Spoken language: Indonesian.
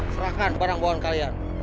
serahkan barang barang kalian